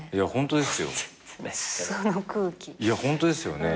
いやホントですよね。